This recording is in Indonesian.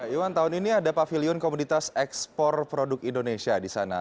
iwan tahun ini ada pavilion komunitas ekspor produk indonesia di sana